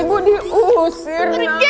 ibu diusir nak